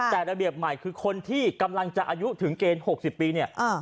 แต่ระเบียบใหม่คือคนที่กำลังจะอายุถึงเกณฑ์๖๐ปีเนี่ย